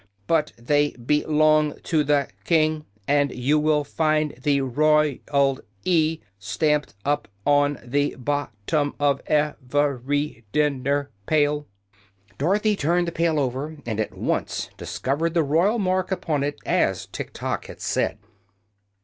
But they be long to the King, and you will find the roy al "E" stamped up on the bot tom of ev er y din ner pail." Dorothy turned the pail over, and at once discovered the royal mark upon it, as Tiktok had said.